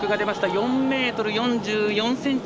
４ｍ４４ｃｍ。